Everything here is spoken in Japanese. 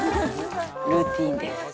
ルーティンです。